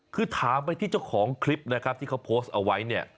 คือถามไปที่เจ้าของคลิปนะครับที่เขาโพสต์เอาไว้เนี่ย